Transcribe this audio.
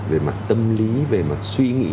về mặt tâm lý về mặt suy nghĩ